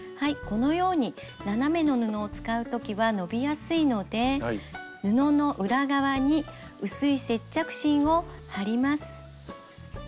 このように斜めの布を使う時は伸びやすいので布の裏側に薄い接着芯を貼ります。